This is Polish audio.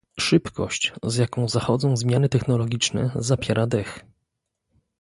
Szybkość, z jaką zachodzą zmiany technologiczne zapiera dech